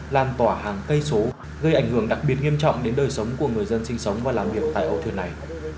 làm tỏa hàng cây số gây ảnh hưởng đặc biệt nghiêm trọng đến đời sống của người dân sinh sống và làm việc tại âu thuyền này